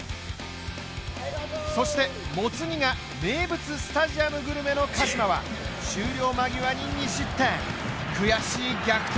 そしてもつ煮が名物スタジアムグルメの鹿島は終了間際に２失点悔しい逆転